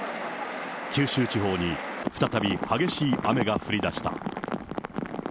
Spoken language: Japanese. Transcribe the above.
九州地方に再び激しい雨が降りだした。